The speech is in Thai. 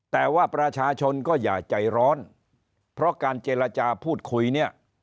แต่ว่าประชาชนก็อย่าใจร้อนเพราะการเจรจาพูดคุยเนี่ย